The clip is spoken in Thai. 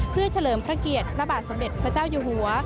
เพื่อเฉลิมพระเกียรติพระบาทสมเด็จพระเจ้าอยู่หัว